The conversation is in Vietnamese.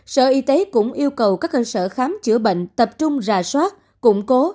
sở y tế cũng yêu cầu các cơ sở khám chữa bệnh tập trung rà soát củng cố